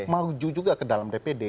menuju juga ke dalam dpd